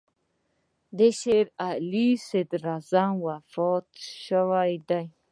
د شېر علي صدراعظم وفات شوی دی.